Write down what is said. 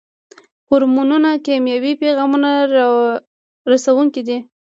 هورمونونه کیمیاوي پیغام رسوونکي دي